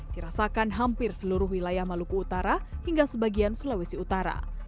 dirasakan hampir seluruh wilayah maluku utara hingga sebagian sulawesi utara